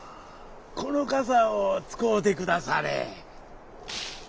このかさをつこうてくだされ」。